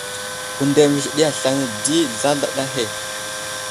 Hundar məzezeɗiya aslane di, zlazlaɗa ahe.